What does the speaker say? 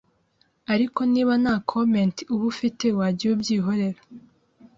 ariko niba nta comment uba ufite wajyiye ubyihorera